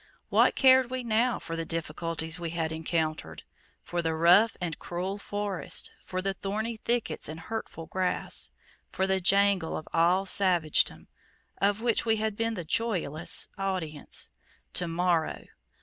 What cared we now for the difficulties we had encountered for the rough and cruel forests, for the thorny thickets and hurtful grass, for the jangle of all savagedom, of which we had been the joyless audience! To morrow!